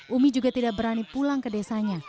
umi juga tidak berani pulang ke desanya